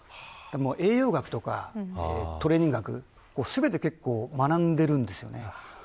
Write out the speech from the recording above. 栄養学とかトレーニング学全て学んでいるんです。